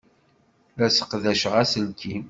La sseqdaceɣ aselkim.